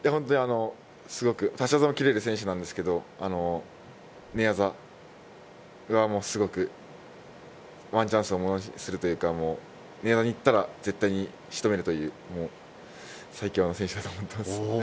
立ち技も切れる選手なんですけど寝技がすごくワンチャンスをものにするというか、寝技に行ったら絶対に仕留めるという最強の選手だと思っています。